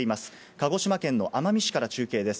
鹿児島県の奄美市から中継です。